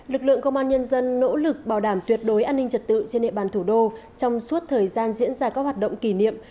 lực lượng công an nhân dân nỗ lực bảo đảm tuyệt đối an ninh trật tự trên địa bàn thủ đô trong suốt thời gian diễn ra các hoạt động kỷ niệm